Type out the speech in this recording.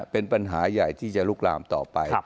เป็นปัญหาใหญ่ที่จะลุกลามต่อไป